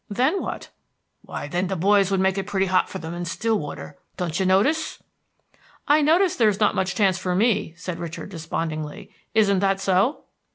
"Then what?" "Why, then the boys would make it pretty hot for them in Stillwater. Don't you notice?" "I notice there is not much chance for me," said Richard, despondingly. "Isn't that so?"